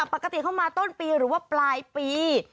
ปกติเข้ามาต้นปีหรือว่าปลายปี